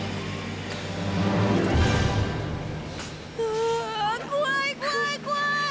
うわ怖い怖い怖い！